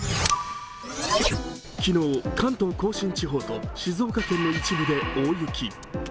昨日、関東甲信地方と静岡県の一部で大雪。